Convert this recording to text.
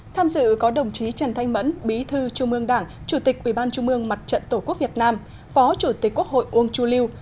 tham dự có đồng chí trần thanh mẫn bí thư chủ mương đảng chủ tịch ubnd mặt trận tổ quốc việt nam phó chủ tịch quốc hội uông chu lưu